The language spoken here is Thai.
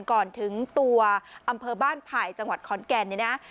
ก่อนถึงตัวอำเภอบ้านผ่ายจังหวัดขอนแกน